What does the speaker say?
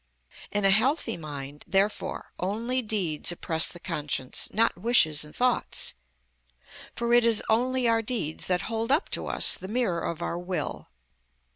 In a healthy mind, therefore, only deeds oppress the conscience, not wishes and thoughts; for it is only our deeds that hold up to us the mirror of our will.